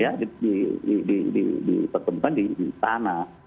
ya di di di di di tetepan di istana